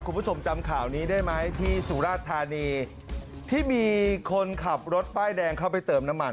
คุณผู้ชมจำข่าวนี้ได้ไหมที่สุราชธานีที่มีคนขับรถป้ายแดงเข้าไปเติมน้ำมัน